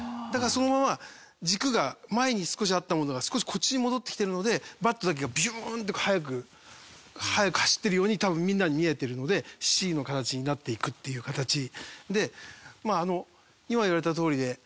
だからそのまま軸が前に少しあったものが少しこっちに戻ってきてるのでバットだけがビューンって速く速く走ってるように多分みんなに見えてるので「Ｃ」の形になっていくっていう形。でまあ今言われたとおりで。